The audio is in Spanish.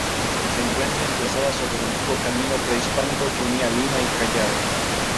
Se encuentra emplazada sobre el antiguo camino prehispánico que unía Lima y Callao.